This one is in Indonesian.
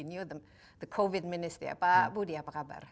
you the covid minister ya pak budi apa kabar